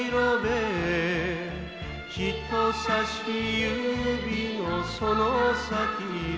「人さし指のその先で」